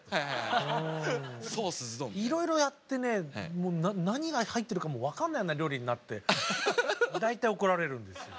いろいろやってね何が入ってるかもう分かんないような料理になって大体怒られるんですよ。